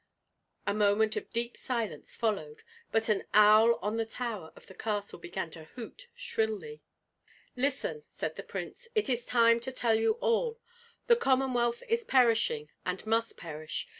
A moment of deep silence followed; but an owl on the tower of the castle began to hoot shrilly. "Listen," said the prince, "it is time to tell you all. The Commonwealth is perishing, and must perish.